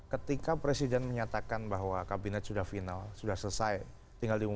ketika presiden menyatakan bahwa kabinet sudah final sudah selesai tinggal diumumkan